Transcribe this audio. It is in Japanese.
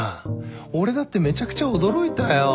俺だってめちゃくちゃ驚いたよ。